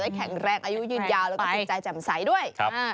จะได้แข็งแรกอายุยืนยาวและต้องติดใจแจ่มใสด้วย